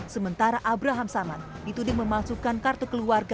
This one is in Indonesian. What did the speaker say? sementara abraham saman dituding memalsukan kartu tersebut